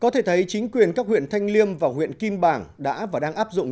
có thể thấy chính quyền các huyện thanh liêm và huyện kim bàng đã và đang áp dụng những hệ lụy